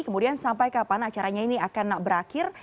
kemudian sampai kapan acaranya ini akan berakhir